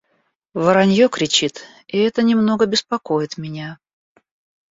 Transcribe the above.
Воронье кричит, и это немного беспокоит меня.